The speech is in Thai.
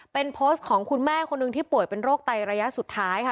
เป็นโพสต์ของคุณแม่คนหนึ่งที่ป่วยเป็นโรคไตระยะสุดท้ายค่ะ